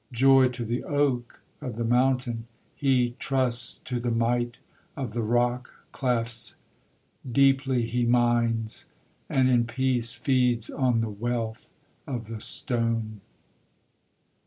Joy to the oak of the mountain: he trusts to the might of the rock clefts; Deeply he mines, and in peace feeds on the wealth of the stone.